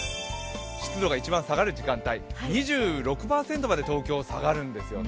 湿度が一番下がる時間帯、２６％まで東京、下がるんですね。